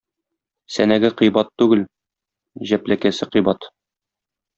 Сәнәге кыйбат түгел, җәпләкәсе кыйбат.